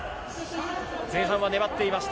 前半は粘っていました。